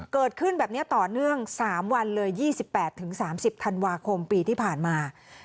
เกิดขึ้นแบบนี้ต่อเนื่อง๓วันเลย๒๘๓๐ธันวาคมปีที่ผ่านมา